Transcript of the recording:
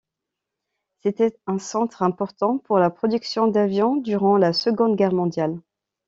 C'était un centre important pour la production d'avions durant la Seconde Guerre mondiale.